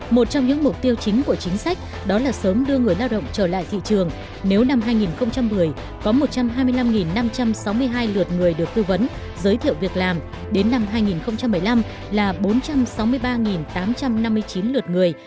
một trong những mục tiêu chính của chính sách đó là sớm đưa người lao động trở lại thị trường nếu năm hai nghìn một mươi có một trăm hai mươi năm năm trăm sáu mươi hai lượt người được tư vấn giới thiệu việc làm đến năm hai nghìn một mươi năm là bốn trăm sáu mươi ba tám trăm năm mươi chín lượt người